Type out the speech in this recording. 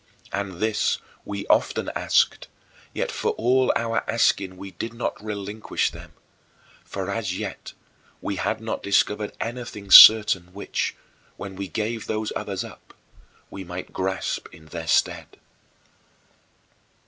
And this we often asked, yet for all our asking we did not relinquish them; for as yet we had not discovered anything certain which, when we gave those others up, we might grasp in their stead.